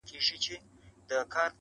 د دې بې دردو په ټاټوبي کي بازار نه لري؛